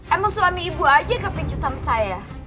emang suami ibu aja yang kebincutan saya